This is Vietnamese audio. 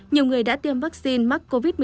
nhiều người đã tiêm vaccine mắc covid một mươi chín